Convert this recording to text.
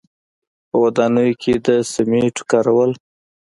په ودانیو کې د سیمنټو کارول.